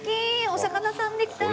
お魚さんで来た！